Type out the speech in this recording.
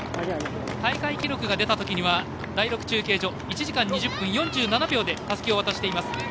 大会記録が出たときには第６中継所１時間２０分４７秒でたすきを渡しています。